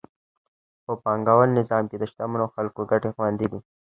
په پانګوال نظام کې د شتمنو خلکو ګټې خوندي دي.